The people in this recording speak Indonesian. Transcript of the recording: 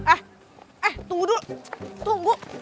eh eh tudu tunggu